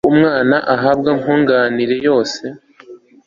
ko umwana ahabwa nkunganire yose